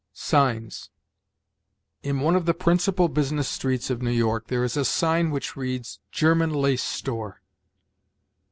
SIGNS. In one of the principal business streets of New York there is a sign which reads, "German Lace Store."